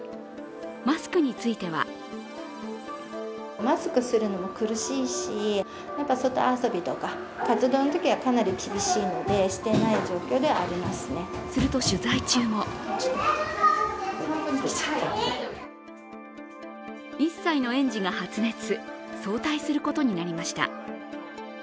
マスクについてはすると取材中も１歳の園児が発熱早退することになりました。